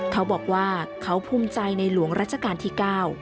เขาบอกว่าเขาภูมิใจในหลวงรัชกาลที่๙